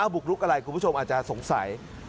บุกลุกอะไรคุณผู้ชมอาจจะสงสัย